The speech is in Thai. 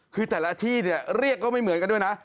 คือแต่ละที่เนี่ยเรียกก็ไม่เหมือนกันด้วยนะ